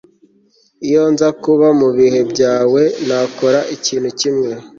Iyo nza kuba mubihe byawe nakora ikintu kimwe